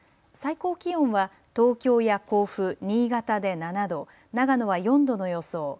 最高気温は東京や甲府、新潟で７度、長野は４度の予想。